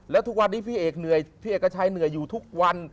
แล้วทุกวันนี้พี่เอกเหนื่อยพี่เอกชัยเหนื่อยอยู่ทุกวัน